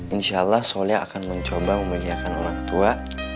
insyaallah soleh akan mencoba memuliakan orang tua